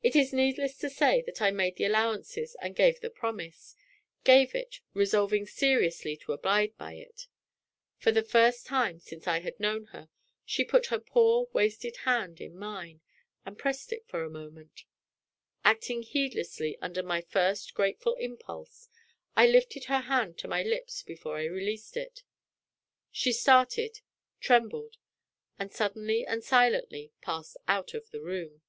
It is needless to say that I made the allowances and gave the promise gave it, resolving seriously to abide by it. For the first time since I had known her, she put her poor, wasted hand in mine, and pressed it for a moment. Acting heedlessly under my first grateful impulse, I lifted her hand to my lips before I released it. She started trembled and suddenly and silently passed out of the room.